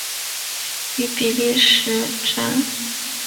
与比利时卢森堡省省旗类似。